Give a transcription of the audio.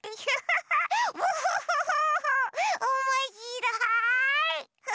おもしろい！